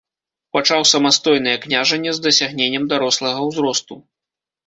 Пачаў самастойнае княжанне з дасягненнем дарослага ўзросту.